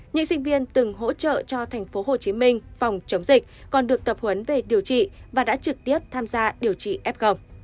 những sinh viên từng hỗ trợ cho tp hcm phòng chống dịch còn được tập huấn về điều trị và đã trực tiếp tham gia điều trị f